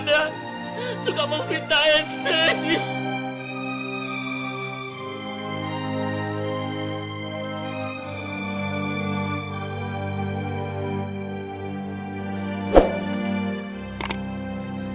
dia suka mampir tanya tersenyum